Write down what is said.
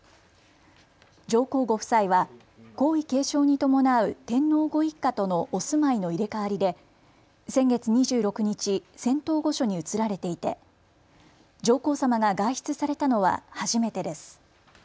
上皇ご夫妻は皇位継承に伴う天皇ご一家とのお住まいの入れ代わりで先月２６日、仙洞御所に移られていて上皇さまが外出されたのは初めてです。